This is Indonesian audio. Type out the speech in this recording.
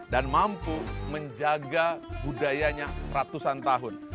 dan mampu menjaga budayanya ratusan tahun